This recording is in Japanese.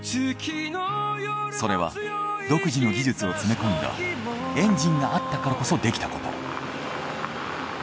それは独自の技術を詰め込んだエンジンがあったからこそできたこと。